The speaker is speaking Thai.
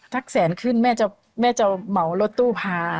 แสนขึ้นแม่จะเหมารถตู้พา